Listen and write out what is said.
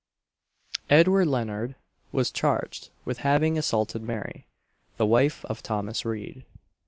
Edward Leonard was charged with having assaulted Mary, the wife of Thomas Reid.